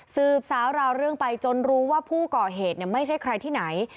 สืบสาวราวเรื่องไปจนรู้ว่าผู้ก่อเหตุไม่ใช่ใครที่ไหน